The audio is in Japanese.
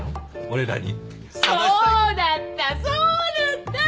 そうだったそうだった。